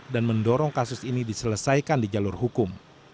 dan mendorong kasus ini diselesaikan di jalur hukum